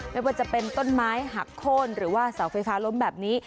ไม่ว่าจะเป็นต้นไม้หักโค้นหรือว่าเสาไฟฟ้าล้มแบบนี้